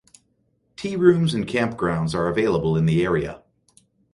Tearooms and campgrounds are available in the area.